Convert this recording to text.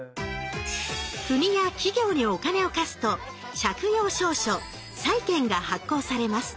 国や企業にお金を貸すと借用証書「債券」が発行されます。